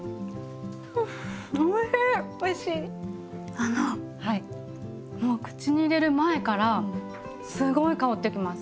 あのもう口に入れる前からすごい香ってきます。